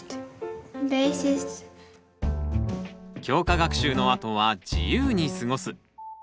教科学習のあとは自由に過ごす。